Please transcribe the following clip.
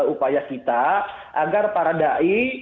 upaya kita agar para da'i